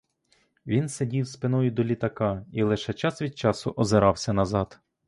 Він сидів спиною до літака і лише час від часу озирався назад.